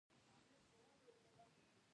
آیا دوی سپوږمکۍ او روباټونه نه جوړوي؟